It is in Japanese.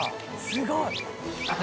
すごい！